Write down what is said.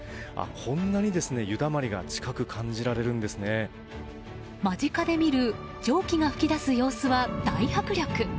こんなに湯だまりが間近で見る蒸気が噴き出す様子は、大迫力。